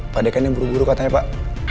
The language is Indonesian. pak dekan yang buru buru katanya pak